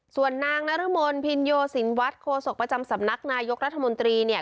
ส่วนนางนรมนพินโยสินวัฒน์โคศกประจำสำนักนายกรัฐมนตรีเนี่ย